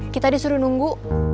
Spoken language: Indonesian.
kita disuruh nunggu